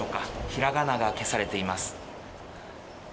ひらがなが消されています。